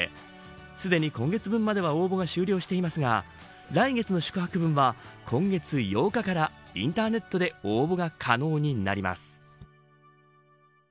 すでに今月分までは応募が終了していますが来月の宿泊分は今月８日からインターネットで応募が可能になります。